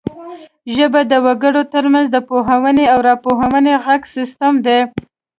ژبه د وګړو ترمنځ د پوهونې او راپوهونې غږیز سیستم دی